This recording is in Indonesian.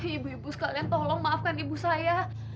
ibu ibu sekalian tolong maafkan ibu saya